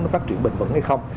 phát triển bình vẫn hay không